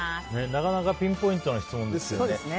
なかなかピンポイントな質問ですよね。